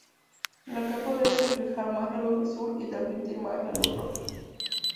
La capa debe reflejar más la luz azul y transmitir más la luz roja.